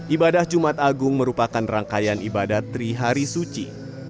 ibadah jumat agung merupakan rangkaian ibadah trihari suci